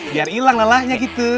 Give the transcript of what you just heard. biar ilang lelahnya gitu